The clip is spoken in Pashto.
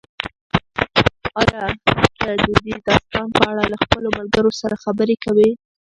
ایا ته د دې داستان په اړه له خپلو ملګرو سره خبرې کوې؟